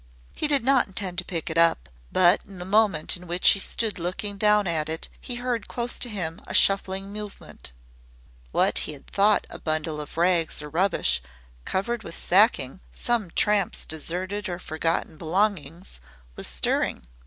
He did not intend to pick it up, but in the moment in which he stood looking down at it he heard close to him a shuffling movement. What he had thought a bundle of rags or rubbish covered with sacking some tramp's deserted or forgotten belongings was stirring.